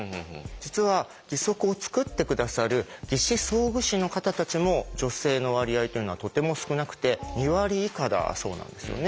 実は義足をつくって下さる義肢装具士の方たちも女性の割合というのはとても少なくて２割以下だそうなんですよね。